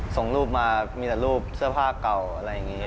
ส่งรูปมามีแต่รูปเสื้อผ้าเก่าอะไรอย่างนี้